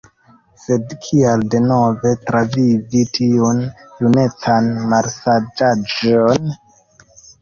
Sed kial denove travivi tiun junecan malsaĝaĵon?